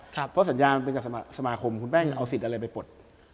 เพราะสัญญามันเป็นกับสมาคมคุณแป้งจะเอาสิทธิ์อะไรไปปลด